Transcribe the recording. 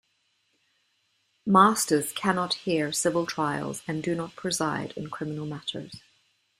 Masters cannot hear civil trials and do not preside in criminal matters.